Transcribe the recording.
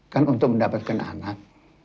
kan untuk mendapatkan anak